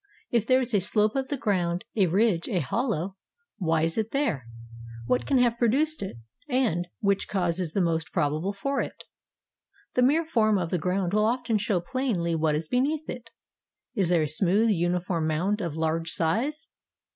If there is a slope of the ground, a ridge, a hollow — Why is it there? What can have produced it? and — Which cause is the most probable for it? The mere form of the ground will often show plainly what is beneath it. Is there a smooth, uniform mound of large size?